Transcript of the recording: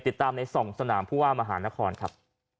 ติดตามใน๒สนามผู้ว่ามหานครครับ